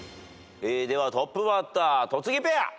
ではトップバッター戸次ペア。